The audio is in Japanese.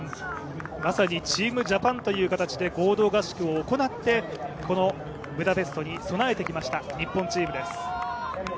まさにチームジャパンという形で合同合宿を行ってこのブダペストに備えてきました日本チームです。